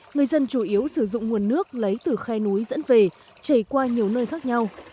người dân chủ yếu sử dụng nguồn nước lấy từ khe núi dẫn về chảy qua nhiều nơi khác nhau